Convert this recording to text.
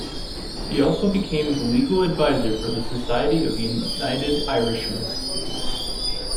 He also became the legal adviser of the Society of the United Irishmen.